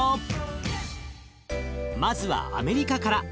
まずはアメリカから。